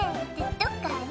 どっかに」